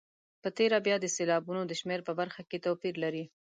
په تېره بیا د سېلابونو د شمېر په برخه کې توپیر لري.